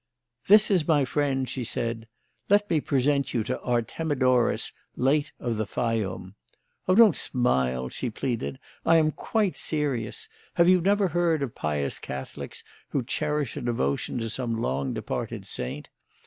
"This is my friend," she said. "Let me present you to Artemidorus, late of the Fayyum. Oh, don't smile!" she pleaded. "I am quite serious. Have you never heard of pious Catholics who cherish a devotion to some long departed saint?